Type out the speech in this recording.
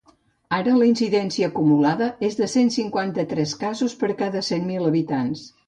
Ara la incidència acumulada és de cent cinquanta-tres casos per cada cent mil habitants.